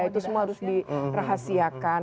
itu semua harus dirahasiakan